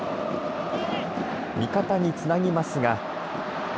味方につなぎますが。